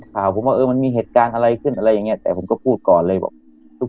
ข่าวผมว่าเออมันมีเหตุการณ์อะไรขึ้นอะไรอย่างเงี้แต่ผมก็พูดก่อนเลยบอกทุก